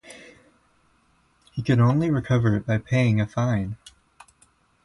He could only recover it by paying a fine.